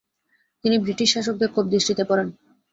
তিনি বৃটিশ শাসকের কোপদৃষ্টিতে পড়েন।